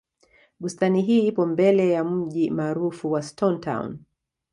bustani hii ipo mbele ya mji maarufu wa stone town